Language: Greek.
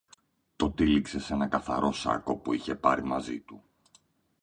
το τύλιξε σ' ένα καθαρό σάκο που είχε πάρει μαζί του